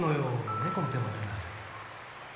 猫の手もいらないの